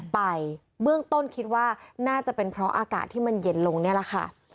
ไปเบื้องต้นคิดว่าน่าจะเป็นเพราะอากาศที่มันเย็นลงนี่แหละค่ะ